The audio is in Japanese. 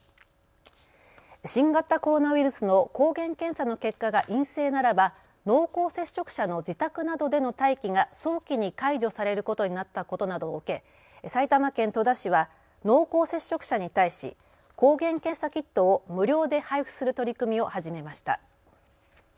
新型コロナウイルスの抗原検査の結果が陰性ならば濃厚接触者の自宅などでの待機が早期に解除されることになったことなどを受け埼玉県戸田市は濃厚接触者に対し抗原検査キットを無料で配布する取り組みを始めました。